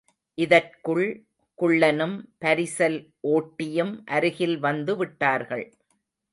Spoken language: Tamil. இதற்குள் குள்ளனும் பரிசல் ஓட்டியும் அருகில் வந்து விட்டார்கள்.